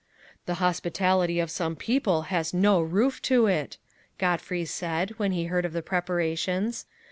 "The hospitality of some people has no roof to it," Godfrey said, when he heard of the preparations.